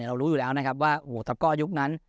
เรารู้อยู่แล้วว่าตำก้ออายุคนั้น